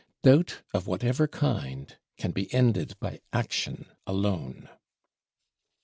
"Doubt, of whatever kind, can be ended by Action alone."